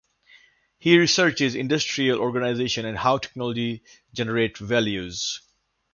He researches industrial organization and how technology generates value.